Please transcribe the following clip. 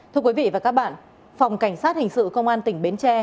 thưa quý vị và các bạn phòng cảnh sát hình sự công an tỉnh bến tre